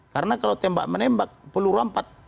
karena kalau tembak menembak perlu rampat